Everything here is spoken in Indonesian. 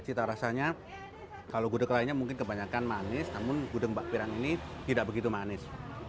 cita rasanya kalau gudeg lainnya mungkin kebanyakan manis namun gudeg mbak pirang ini tidak begitu manis